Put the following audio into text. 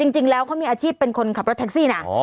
จริงแล้วเขามีอาชีพเป็นคนขับรถแท็กซี่นะ